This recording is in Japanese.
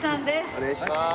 お願いします